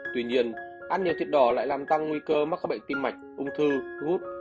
tuy nhiên ăn nhẹ thịt đỏ lại làm tăng nguy cơ mắc các bệnh tim mạch ung thư gút